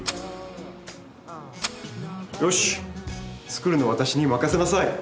よし作るのは私に任せなさい。